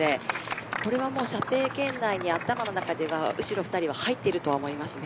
これはもう射程圏内に頭の中では後ろの２人は入っていると思います。